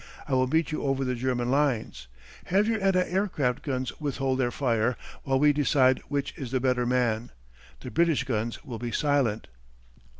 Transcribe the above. I will meet you over the German lines. Have your anti air craft guns withhold their fire, while we decide which is the better man. The British guns will be silent.